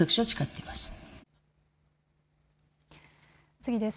次です。